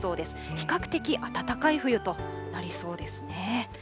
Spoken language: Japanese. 比較的暖かい冬となりそうですね。